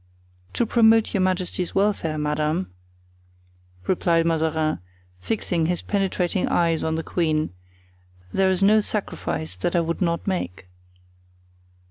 "To promote your majesty's welfare, madame," replied Mazarin, fixing his penetrating eyes on the queen, "there is no sacrifice that I would not make."